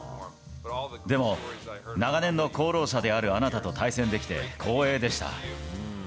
でも、長年の功労者であるあなたと対戦できて光栄でした。